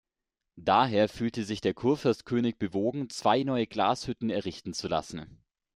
Daher fühlte sich der Kurfürst-König bewogen, zwei neue Glashütten errichten zu lassen.